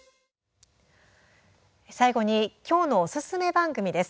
最後に今日のおすすめ番組です。